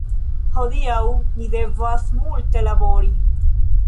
Hodiaŭ ni devas multe labori